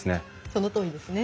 そのとおりですね。